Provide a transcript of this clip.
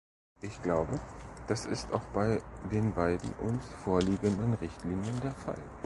Ich glaube, das ist auch bei den beiden uns vorliegenden Richtlinien der Fall.